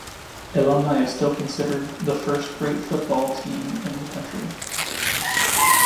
Alumni is still considered the first great football team in the country.